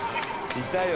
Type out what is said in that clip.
いたよ